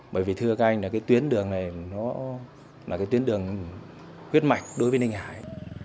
bởi vì thưa các anh là cái tuyến đường này nó là cái tuyến đường huyết mạch đối với ninh hải